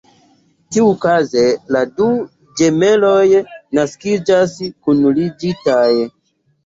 Tiukaze la du ĝemeloj naskiĝas kunligitaj.